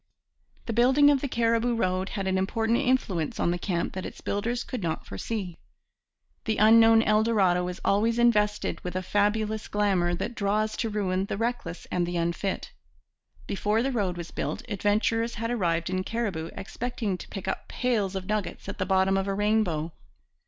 The building of the Cariboo Road had an important influence on the camp that its builders could not foresee. The unknown El Dorado is always invested with a fabulous glamour that draws to ruin the reckless and the unfit. Before the road was built adventurers had arrived in Cariboo expecting to pick up pails of nuggets at the bottom of a rainbow.